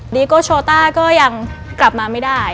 ดีโกโชต้าก็ยังกลับมาไม่ได้